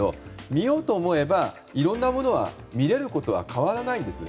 見ようと思えばいろいろなものは見えることは変わらないんです。